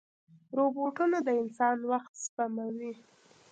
روبوټونه د انسان وخت سپموي.